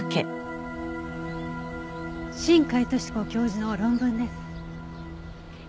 新海登志子教授の論文です。